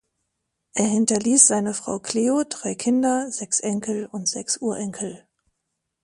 Er hinterließ seine Frau Cleo, drei Kinder, sechs Enkel und sechs Urenkel.